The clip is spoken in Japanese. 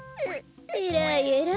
えらいえらい。